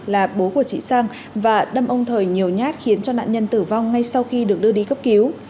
là bố của chị sang và đâm ông thời nhiều nhát khiến cho nạn nhân tử vong ngay sau khi được đưa đi cấp cứu